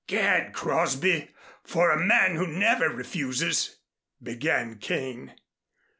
"Gad! Crosby, for a man who never refuses " began Kane.